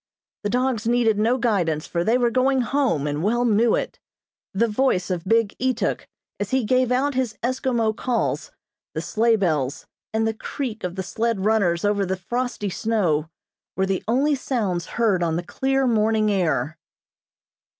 The dogs needed no guidance, for they were going home, and well knew it. The voice of big Ituk, as he gave out his Eskimo calls, the sleigh bells, and the creak of the sled runners over the frosty snow, were the only sounds heard on the clear morning air.